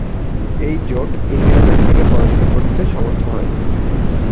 এই জোট ইন্দিরা গান্ধীকে পরাজিত করতে সমর্থহয়।